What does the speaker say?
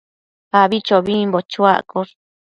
abichobimbo chuaccosh